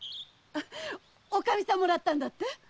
おかみさんもらったんだって？